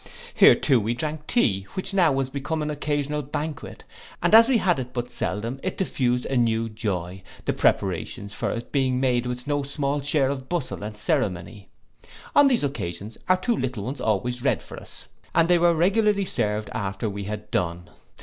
Here too we drank tea, which now was become an occasional banquet; and as we had it but seldom, it diffused a new joy, the preparations for it being made with no small share of bustle and ceremony. On these occasions, our two little ones always read for us, and they were regularly served after we had done.